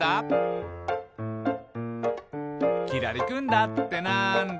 「きらりくんだってなんだ？」